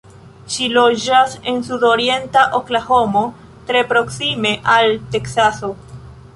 Ŝi loĝas en sudorienta Oklahomo, tre proksime al Teksaso.